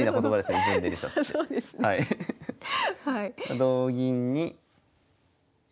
同銀に。